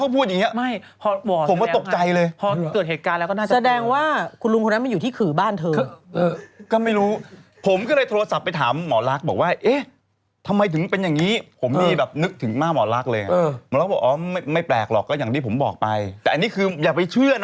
เพราะเสร็จปุ๊บก็ปรากฏว่าวันลุงขึ้นตกกลางคืน